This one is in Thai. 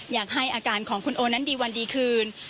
อยากให้อาการของคุณโอนั้นดีวันดีคืน